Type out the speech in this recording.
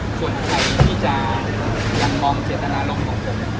ส่วนไขที่จะอ่านมองเจริญาโรงของผม